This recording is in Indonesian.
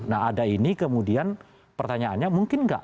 nah ada ini kemudian pertanyaannya mungkin nggak